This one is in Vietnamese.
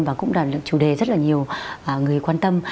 và cũng là chủ đề rất là nhiều người quan tâm